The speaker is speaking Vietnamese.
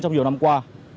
trong nhiều năm qua